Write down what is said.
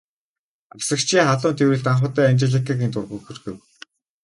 Асрагчийн халуун тэврэлт анх удаа Анжеликагийн дургүйг хүргэв.